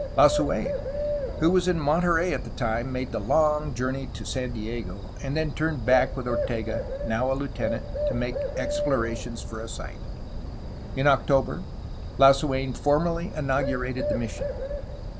Lasuen, who was in Monterey at the time, made the long journey to San Diego, and then turned back with Ortega, now a lieutenant, to make explorations for a site. In Octo ber, Lasuen formally inaugurated the misson.